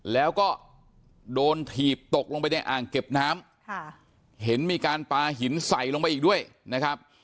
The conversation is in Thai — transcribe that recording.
แล้วก็โดนถีบตกลงไปในอ่างเก็บน้ำค่ะเห็นมีการปลาหินใส่ลงไปอีกด้วยนะครับ